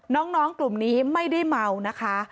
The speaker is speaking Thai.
น้องกลุ่มนี้ไม่ได้เมานะคะ